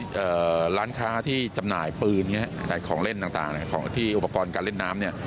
และร้านฆ้าที่จำหน่ายปืนของเล่นอุปกรณ์การเล่นน้ำ